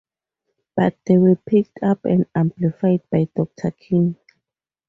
But they were picked up and amplified by Doctor King.